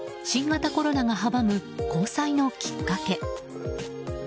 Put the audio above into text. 新型コロナがはばむ交際のきっかけ。